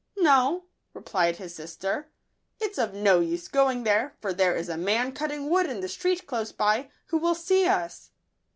" No," replied his sister, " it's of no use going there ; for there is a man cutting wood in the street close by, who will see us."